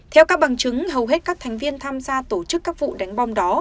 theo các bằng chứng hầu hết các thành viên tham gia tổ chức các vụ đánh bom đó